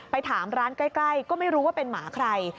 ถามร้านใกล้ก็ไม่รู้ว่าเป็นหมาใคร